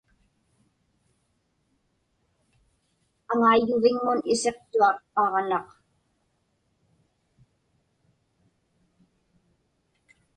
Aŋaiyyuviŋmun isiqtuaq aġnaq.